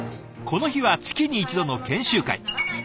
この日は月に一度の研修会。